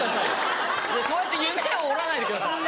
そうやって夢を折らないでください